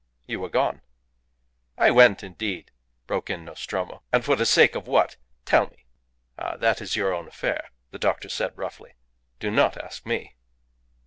You were gone." "I went, indeed!" broke in Nostromo. "And for the sake of what tell me?" "Ah! that is your own affair," the doctor said, roughly. "Do not ask me."